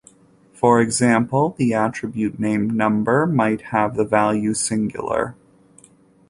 For example, the attribute named "number" might have the value "singular".